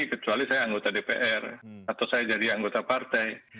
kecuali saya anggota dpr atau saya jadi anggota partai